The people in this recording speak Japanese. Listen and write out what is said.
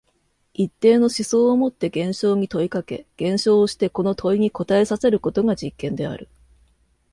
一定の思想をもって現象に問いかけ、現象をしてこの問いに答えさせることが実験である。